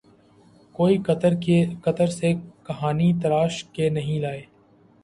کوئی قطر سے کہانی تراش کے نہیں لائے۔